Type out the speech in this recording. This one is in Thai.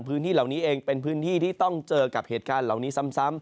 พื้นที่เหล่านี้เองเป็นพื้นที่ที่ต้องเจอกับเหตุการณ์เหล่านี้ซ้ำ